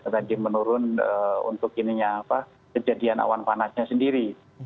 tadi menurun untuk kejadian awan panasnya sendiri